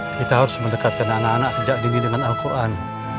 kita harus mendekatkan anak anak sejak dini dengan al quran